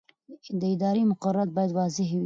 اداري مقررات باید واضح وي.